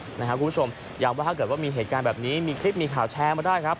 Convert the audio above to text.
คุณผู้ชมย้ำว่าถ้าเกิดว่ามีเหตุการณ์แบบนี้มีคลิปมีข่าวแชร์มาได้ครับ